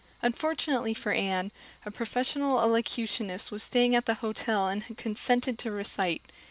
Unfortunately for Anne, a professional elocutionist was staying at the hotel and had consented to recite.